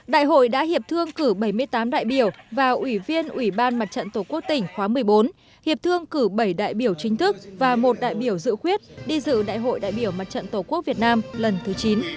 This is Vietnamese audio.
đại hội đã hiệp thương cử bảy mươi tám đại biểu và ủy viên ủy ban mặt trận tổ quốc tỉnh khóa một mươi bốn hiệp thương cử bảy đại biểu chính thức và một đại biểu dự khuyết đi dự đại hội đại biểu mặt trận tổ quốc việt nam lần thứ chín